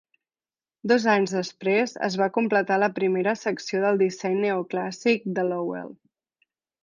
Dos anys després, es va completar la primera secció del disseny neoclàssic de Lowell.